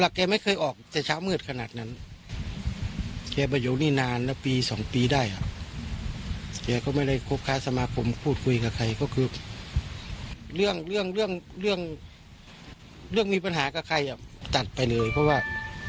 เรื่องเรื่องเรื่องเรื่องมีปัญหากับใครอ่ะตัดไปเลยเพราะว่า